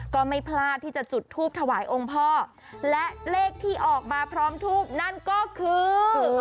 ก็ไม่พลาดที่จะจุดทูปถวายองค์พ่อและเลขที่ออกมาพร้อมทูบนั่นก็คือ